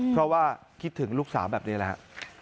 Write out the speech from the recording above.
เพราะว่าคิดถึงลูกสาวแบบนี้แหละฮะ